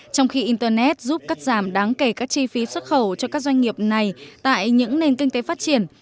trong khi internet giúp cắt giảm đáng kể các chi phí xuất khẩu cho các doanh nghiệp này tại những nền kinh tế phát triển